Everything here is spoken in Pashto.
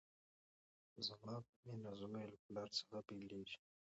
زما په مینه زوی له پلار څخه بیلیږي